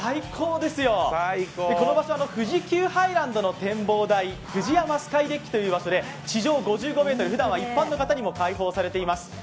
この場所は富士急ハイランドの展望台、ＦＵＪＩＹＡＭＡスカイデッキで地上５５ｍ、ふだんは一般の方にも開放されています。